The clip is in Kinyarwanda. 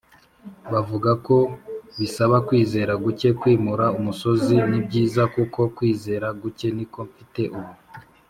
bavuga ko bisaba kwizera guke kwimura umusozi nibyiza kuko kwizera guke niko mfite ubu,